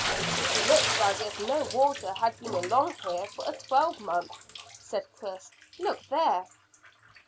"It looks as if no water had been along here for a twelvemonth," said Chris. "Look there."